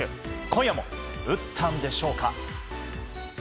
今夜も打ったんでしょうか？